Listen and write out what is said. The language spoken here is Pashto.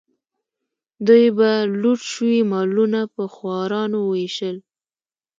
دوی به لوټ شوي مالونه په خوارانو ویشل.